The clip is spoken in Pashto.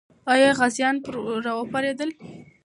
آیا غازیان پرې راوپارېدل؟